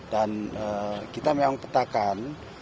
dan kita memang tetapkan